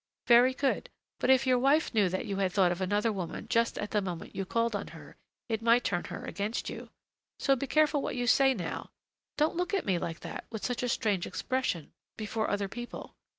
"Very good; but if your wife knew that you had thought of another woman just at the moment you called on her, it might turn her against you. So be careful what you say now; don't look at me like that, with such a strange expression, before other people.